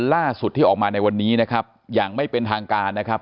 ล่าสุดที่ออกมาในวันนี้นะครับอย่างไม่เป็นทางการนะครับ